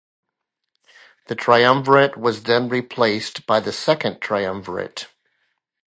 The triumvirate was then replaced by the Second Triumvirate.